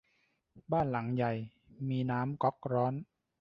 บ้านหลังใหญ่มีน้ำก๊อกร้อน